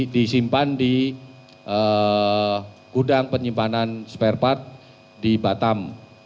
disimpan di gudang penyimpanan spare part di batam